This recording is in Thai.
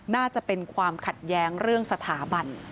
น่าจะเป็นความขัดแย้งเรื่องสถาบัน